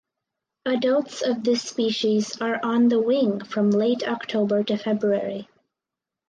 Adults of this species are on the wing from late October to February.